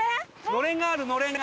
のれんがある！のれんが。